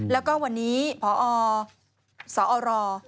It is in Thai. แล้วก็วันนี้พอสอร